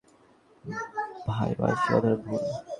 ভাই, মানছি কথাটা ভুল।